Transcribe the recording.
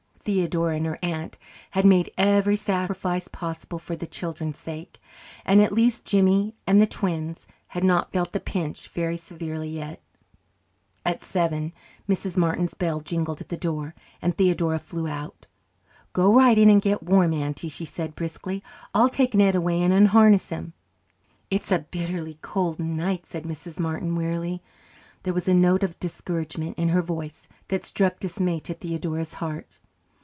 Theodora and her aunt had made every sacrifice possible for the children's sake, and at least Jimmy and the twins had not felt the pinch very severely yet. At seven Mrs. Martins bells jingled at the door and Theodora flew out. "Go right in and get warm, Auntie," she said briskly. "I'll take Ned away and unharness him." "It's a bitterly cold night," said Mrs. Martin wearily. There was a note of discouragement in her voice that struck dismay to Theodora's heart.